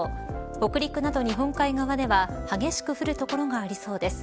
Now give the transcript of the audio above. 北陸など日本海側では激しく降る所がありそうです。